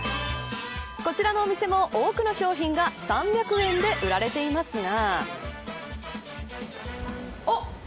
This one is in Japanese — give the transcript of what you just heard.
こちらのお店も多くの商品が３００円で売られていますが。